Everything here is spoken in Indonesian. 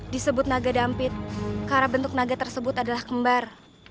disebut naga dampit karena bentuk naga tersebut adalah kembar